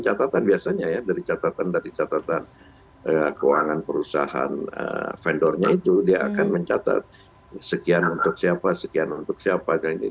catatan biasanya ya dari catatan dari catatan keuangan perusahaan vendornya itu dia akan mencatat sekian untuk siapa sekian untuk siapa